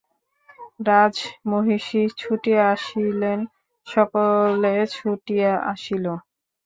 রাজমহিষী ছুটিয়া আসিলেন, সকলে ছুটিয়া আসিল!